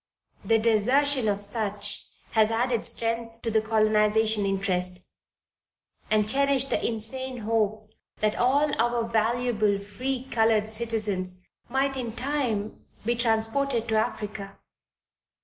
The desertion of such has added strength to the Colonization interest, and cherished the insane hope that all our valuable free colored citizens might in time be transported to Africa.